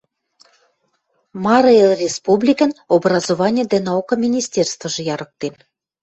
Мары Эл Республикӹн образовани дӓ наука министерствыжы ярыктен